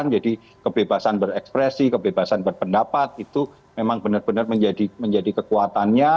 jadi kebebasan berekspresi kebebasan berpendapat itu memang benar benar menjadi kekuatannya